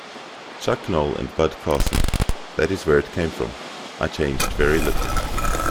Chuck Noll and Bud Carson-that is where it came from, I changed very little.